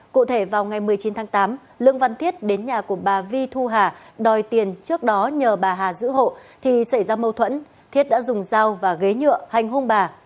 cụ thể vào ngày một mươi chín tháng tám lương văn thiết đến nhà của bà vi thu hà đòi tiền trước đó nhờ bà hà giữ hộ thì xảy ra mâu thuẫn thiết đã dùng dao và ghế nhựa hành hung bà